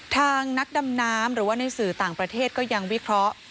นักดำน้ำหรือว่าในสื่อต่างประเทศก็ยังวิเคราะห์